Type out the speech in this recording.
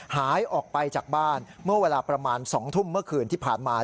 หายออกไปจากบ้านเมื่อเวลาประมาณ๒ทุ่มเมื่อคืนที่ผ่านมา